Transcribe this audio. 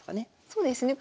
そうですね。